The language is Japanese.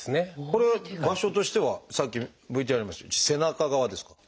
これは場所としてはさっきＶＴＲにありましたけど背中側ですか？